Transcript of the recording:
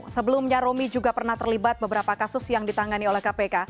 sebelumnya romi juga pernah terlibat beberapa kasus yang ditangani oleh kpk